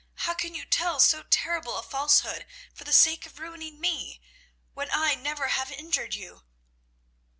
How can you tell so terrible a falsehood for the sake of ruining me, when I never have injured you?"